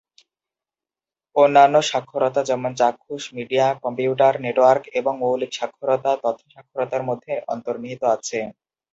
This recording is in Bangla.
অন্যান্য সাক্ষরতা যেমন চাক্ষুষ, মিডিয়া, কম্পিউটার, নেটওয়ার্ক, এবং মৌলিক সাক্ষরতা তথ্য সাক্ষরতার মধ্যে অন্তর্নিহিত আছে।